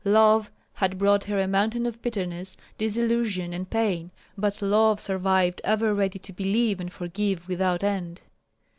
Love had brought her a mountain of bitterness, disillusion, and pain; but love survived ever ready to believe and forgive without end.